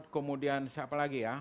kemudian siapa lagi ya